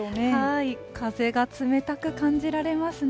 風が冷たく感じられますね。